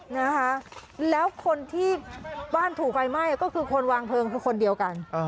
นะคะแล้วคนที่บ้านถูกไฟไหม้ก็คือคนวางเพลิงคือคนเดียวกัน